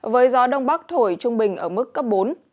với gió đông bắc thổi trung bình ở mức cấp bốn